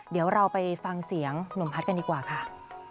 เดี๋ยวเราไปฟังเสียงหนุ่มพัฒน์กันดีกว่าค่ะ